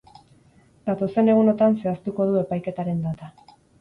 Datozen egunotan zehaztuko du epaiketaren data.